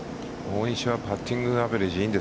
大西はパッティングアベレージ